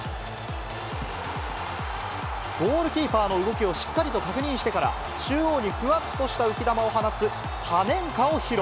ゴールキーパーの動きをしっかりと確認してから、中央にふわっとした浮き球を放つパネンカを披露。